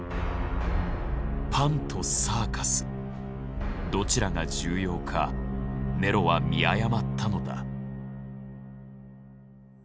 パンとサーカスどちらが重要かネロは見誤ったのだ。